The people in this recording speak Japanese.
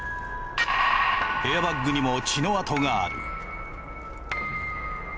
エアバッグにも血の痕がある。